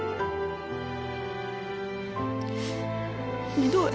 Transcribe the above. ひどい。